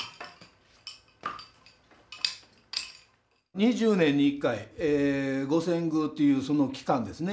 ２０年に１回御遷宮というその期間ですね。